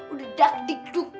udah dak dikduk